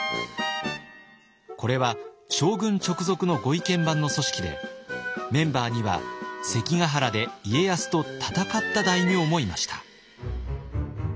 これは将軍直属のご意見番の組織でメンバーには関ヶ原で家康と戦った大名もいました。